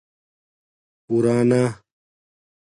پُورانا